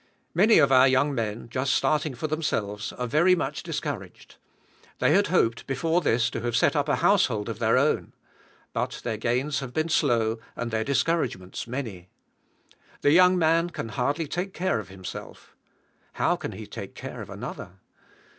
Many of our young men, just starting for themselves, are very much discouraged. They had hoped before this to have set up a household of their own. But their gains have been slow, and their discouragements many. The young man can hardly take care of himself. How can he take care of another?